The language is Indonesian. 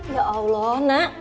ya allah nak